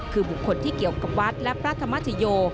คือบุคคลที่เกี่ยวกับวัดและพระธรรมชโย